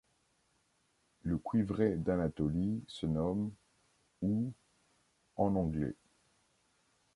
Le Cuivré d'Anatolie se nomme ' ou ' en anglais.